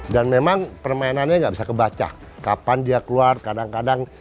dan memang permainannya nggak bisa kebaca kapan dia keluar kadang kadang